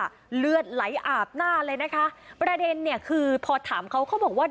เลือดไหลอาบหน้าเลยนะคะประเด็นเนี่ยคือพอถามเขาเขาบอกว่า